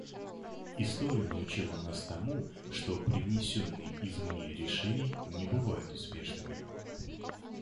История научила нас тому, что привнесенные извне решения не бывают успешными.